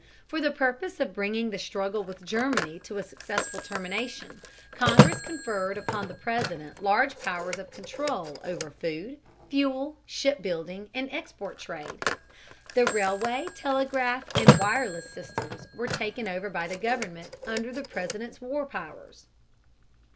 For the purpose of bringing the struggle with Germany to a successful termination, Congress conferred upon the President large powers of control over food, fuel, shipbuilding, and the export trade. The railway, telegraph, and wireless systems were taken over by the government under the President's war powers.